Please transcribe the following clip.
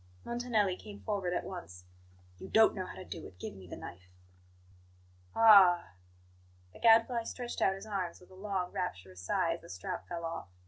Montanelli came forward at once. "You don't know how to do it; give me the knife." "Ah h h!" The Gadfly stretched out his arms with a long, rapturous sigh as the strap fell off.